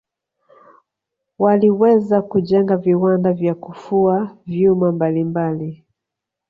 waliweza kujenga viwanda vya kufua vyuma mbalimbali